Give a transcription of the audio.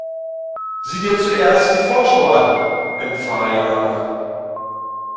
Sieh dir zuerst die Vorschau an, empfahl Jana.